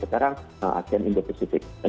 sekarang asean indo presiden